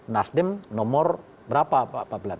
nasdem nomor berapa pak